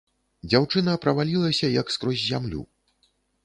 Дзяўчына правалілася як скрозь зямлю.